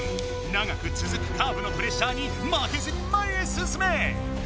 長くつづくカーブのプレッシャーにまけずに前へ進め！